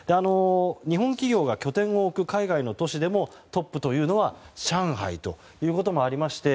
日本企業が拠点を置く海外の都市でもトップというのは上海ということもありまして